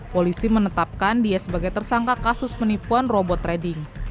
polisi menetapkan dia sebagai tersangka kasus penipuan robot trading